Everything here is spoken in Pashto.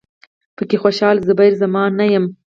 پکې خوشال، زبیر زمان نه یمه